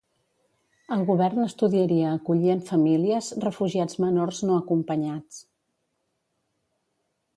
El Govern estudiaria acollir en famílies refugiats menors no acompanyats.